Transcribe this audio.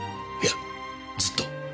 いやずっと。